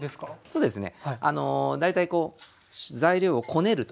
そうですね。